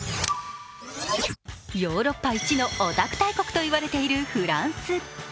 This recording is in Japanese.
ヨーロッパ一のオタク大国と言われているフランス。